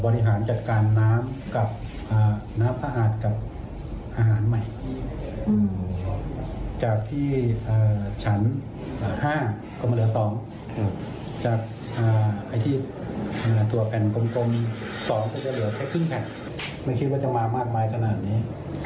ดีกว่าพ่อบอกว่าจะเหลือแค่ครึ่งแผ่นไม่คิดว่าจะมามากมายขนาดนี้